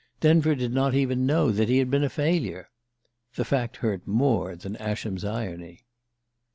Denver did not even know that he had been a failure! The fact hurt more than Ascham's irony.